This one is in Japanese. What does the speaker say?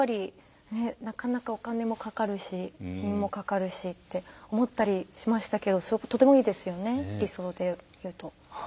なかなかお金もかかるし人員もかかるしと思ったりしましたけどとてもいいですよね理想で言うと。